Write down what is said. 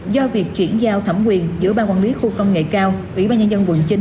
do việc chuyển giao thẩm quyền giữa ban quản lý khu công nghệ cao